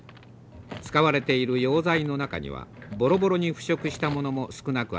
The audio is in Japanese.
使われている用材の中にはボロボロに腐食したものも少なくありません。